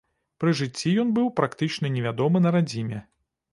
Пры жыцці ён быў практычна невядомы на радзіме.